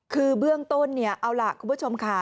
คือเบื้องต้นเนี่ยเอาล่ะคุณผู้ชมค่ะ